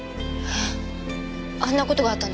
えっあんな事があったのに？